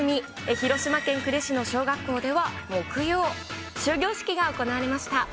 広島県呉市の小学校では、木曜、終業式が行われました。